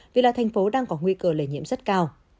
vì là thành phố đang có nguy cơ lây nhiễm rất cao